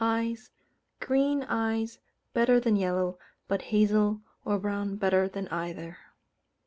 Eyes: green eyes better than yellow, but hazel or brown better than either.